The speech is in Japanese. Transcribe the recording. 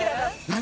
何？